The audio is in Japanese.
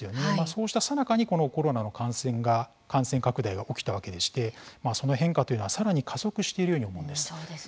そうしたさなかにコロナの感染拡大が起きたわけでしてその変化というのは、さらに加速しているように思うんです。